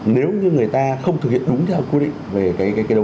nếu như người ta không thực hiện đúng theo quy định về cái đấu giá đó